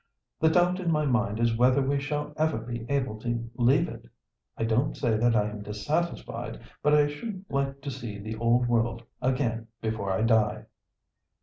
The doubt in my mind is whether we shall ever be able to leave it. I don't say that I am dissatisfied, but I should like to see the Old World again before I die."